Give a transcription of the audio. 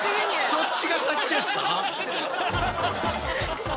そっちが先ですか！？